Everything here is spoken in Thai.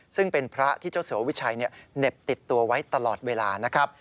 ซึ่งเป็นพระที่เจ้าสัววิชัยเหน็บติดตัวไว้ตลอดเวลานะครับ